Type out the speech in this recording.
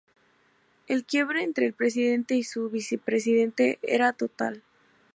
El quiebre entre el presidente y su vicepresidente era total.